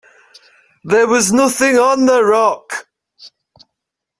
There was nothing on the rock.